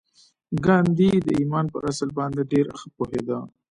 ګاندي د ایمان پر اصل باندې ډېر ښه پوهېده